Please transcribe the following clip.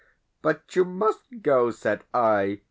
"But you MUST go," said I.